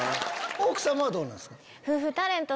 奥さまはどうなんですか？